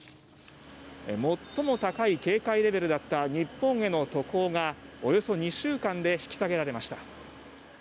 最も高い警戒レベルだった日本への渡航がおよそ２週間で引き下げられました。